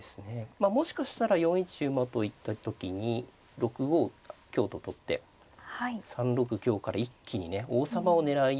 まあもしかしたら４一馬と行った時に６五香と取って３六から一気にね王様を狙い。